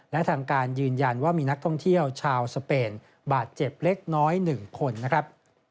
และทางการยืนยันว่ามีนักท่องเที่ยวชาวสเปนบาดเจ็บเล็กน้อย๑คนนะครับ